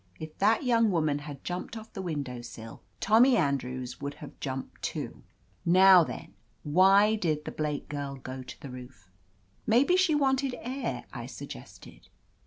If that young woman had jumped off the window sill, Tom my Andrews would have jumped too. Now, then, why did the Blake girl go to the roof?" MayBe she wanted air," I suggested.